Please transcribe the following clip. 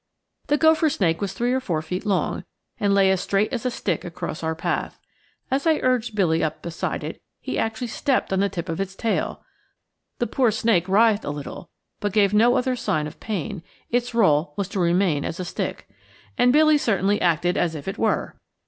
The gopher snake was three or four feet long, and lay as straight as a stick across our path. As I urged Billy up beside it, he actually stepped on the tip of its tail. The poor snake writhed a little, but gave no other sign of pain; its rôle was to remain a stick. And Billy certainly acted as if it were.